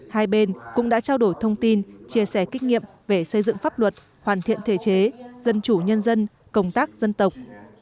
hai bên cũng đã trao đổi thông tin chia sẻ kinh nghiệm về xây dựng pháp luật hoàn thiện thể chế dân chủ nhân dân công tác dân tộc